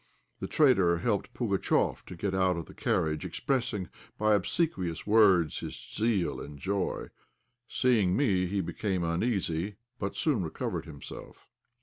The traitor helped Pugatchéf to get out of the carriage, expressing by obsequious words his zeal and joy. Seeing me he became uneasy, but soon recovered himself.